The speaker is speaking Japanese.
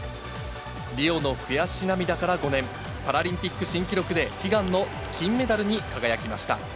リオの悔し涙から５年、パラリンピック新記録で、悲願の金メダルに輝きました。